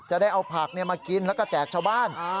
ได้เอาผักมากินแล้วก็แจกชาวบ้าน